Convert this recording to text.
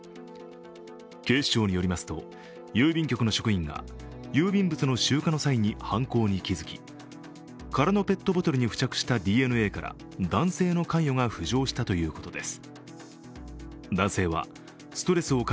警視庁によりますと郵便局の職員が郵便物の集荷の際に犯行に気付き、空のペットボトルに付着したＤＮＡから男性の関与が浮上したということです。